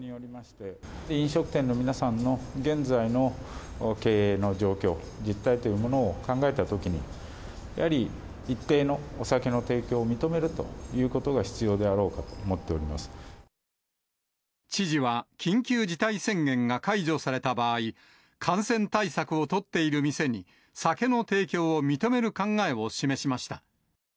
飲食店の皆さんの現在の経営の状況、実態というものを考えたときに、やはり一定のお酒の提供を認めるということが必要であろうかと思知事は、緊急事態宣言が解除された場合、感染対策を取っている店に酒の提供を認める考えを示しました。